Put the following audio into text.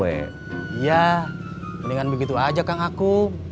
iya dengan begitu aja kang aku